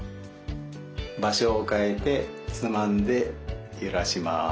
場所を変えてつまんでゆらします。